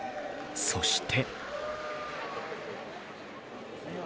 そして。